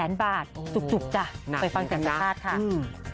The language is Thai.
หนักจริงจริงจ้ะอืมค่ะไปฟังเสร็จแบบนี้ค่ะอืม